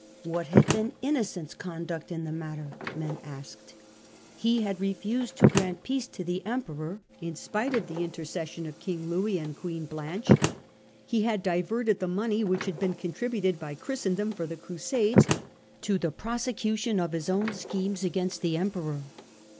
What had been Innocent's conduct in the matter, men asked ? He had refused to grant peace to the Em peror, in spite of the intercession of King Louis and Queen Blanche. He had diverted the money which had been contributed by Christendom for the Crusades to the prosecution of his own schemes against the Emperor.